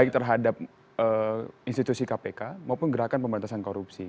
untuk institusi kpk maupun gerakan pemberantasan korupsi